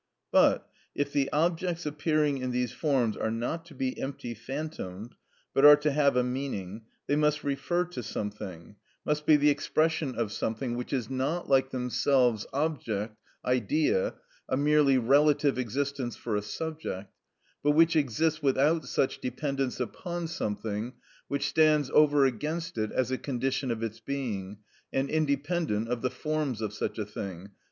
But if the objects appearing in these forms are not to be empty phantoms, but are to have a meaning, they must refer to something, must be the expression of something which is not, like themselves, object, idea, a merely relative existence for a subject, but which exists without such dependence upon something which stands over against it as a condition of its being, and independent of the forms of such a thing, _i.